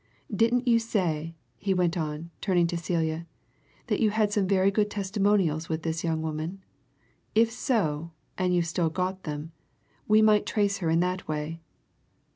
Didn't you say," he went on, turning to Celia, "that you had some very good testimonials with this young woman? If so, and you've still got them, we might trace her in that way."